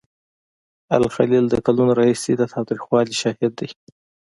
الخلیل د کلونو راهیسې د تاوتریخوالي شاهد دی.